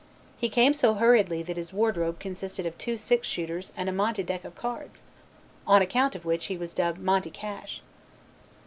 He came so hurriedly that his wardrobe consisted of two 6 shooters and a monte deck of cards, on account of which he was dubbed "Monte" Cash.